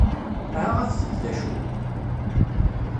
Aha afet-d d acu!